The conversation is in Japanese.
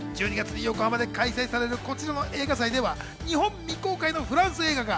１２月に開催されるこちらの映画祭では日本未公開のフランス映画が